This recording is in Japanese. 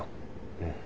うん。